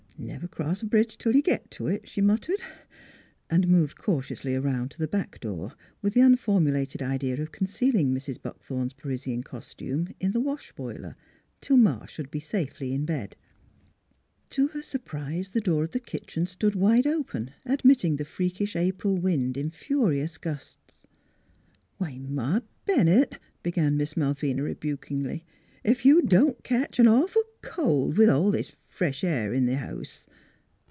Never cross a bridge tell you git t' it," she muttered, and moved cautiously around to the back door with the unformulated idea of conceal ing Mrs. Buckthorn's Parisian costume in the wash boiler till Ma should be safely in bed. To her surprise the door of the kitchen stood wide open, admitting the freakish April wind in furious gusts. " Why, Ma Bennett! " began Miss Malvina re bukingly. " Ef you don't ketch a nawful cold with all this fresh air in th' house."